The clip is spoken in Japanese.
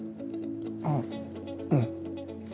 あっうん。